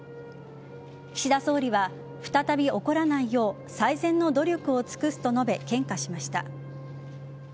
岸田総理は、再び起こらないよう最善の努力を尽くすと述べ献花しました。